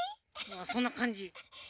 そんなかんじ。